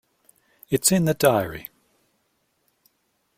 It's in the diary.